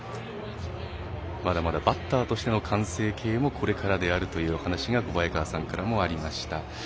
まだまだバッターとしての完成形もこれからであるという話が小早川さんからもありました。